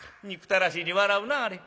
憎たらしいに笑うなあれ。